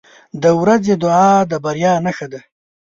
• د ورځې دعا د بریا نښه ده.